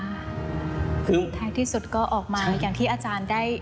คือท้ายที่สุดก็ออกมาอย่างที่อาจารย์ได้